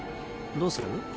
どうする？